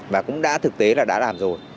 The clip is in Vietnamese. và cũng đã thực tế là đã làm rồi